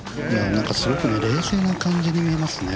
すごく冷静な感じに見えますね。